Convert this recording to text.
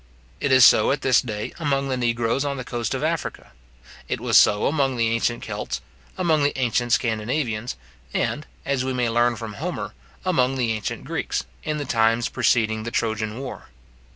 It is so at this day among the negroes on the coast of Africa. It was so among the ancient Celtes, among the ancient Scandinavians, and, as we may learn from Homer, among the ancient Greeks, in the times preceding the Trojan war.